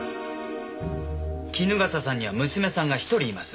衣笠さんには娘さんが１人います。